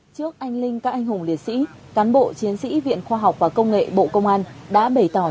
trước anh linh các anh hùng liệt sĩ cán bộ chiến sĩ viện khoa học và công nghệ bộ công an đã bày tỏ